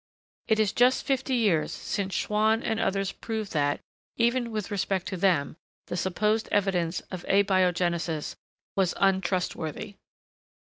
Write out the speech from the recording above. It is just fifty years since Schwann and others proved that, even with respect to them, the supposed evidence of abiogenesis was untrustworthy.